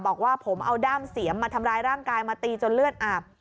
บอกว่าผมเอาด้ามเสียมมาทำร้ายร่างกายมาตีจนเลือดอาบ